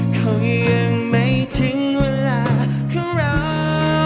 เขายังไม่ถึงเวลาของเรา